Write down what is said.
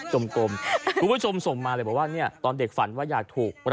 คุณผู้ชมส่งมาเลยบอกว่าตอนเด็กฝันว่าอยากถูกรวรรณที่๑